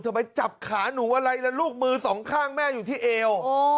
ไปจับขาหนูอะไรล่ะลูกมือสองข้างแม่อยู่ที่เอว